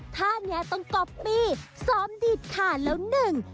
ถ้าเนี่ยต้องกรอบปีซ้อมดิดขานแล้วนึง